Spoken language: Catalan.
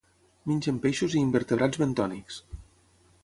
Mengen peixos i invertebrats bentònics.